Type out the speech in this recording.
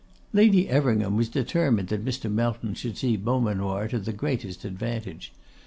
Lady Everingham was determined that Mr. Melton should see Beaumanoir to the greatest advantage.